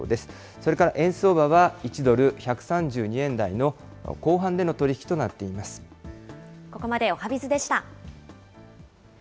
それから円相場は、１ドル１３２円台の後半での取り引きとここまでおはＢｉｚでした。